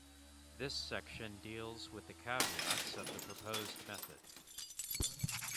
This section deals with the caveats of the proposed method.